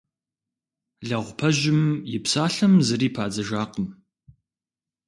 Лэгъупэжьым и псалъэм зыри падзыжакъым.